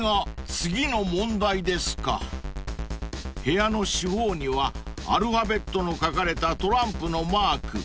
［部屋の四方にはアルファベットの書かれたトランプのマーク］